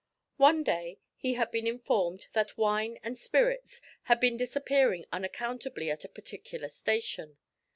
One day he had been informed that wine and spirits had been disappearing unaccountably at a particular station.